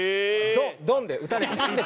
「ド」「ドン」で撃たれてました。